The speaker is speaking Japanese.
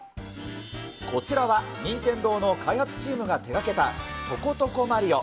こちらは任天堂の開発チームが手がけたトコトコマリオ。